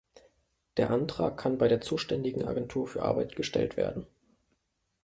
Der Antrag kann bei der zuständigen Agentur für Arbeit gestellt werden.